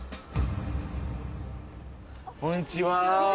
こんにちは。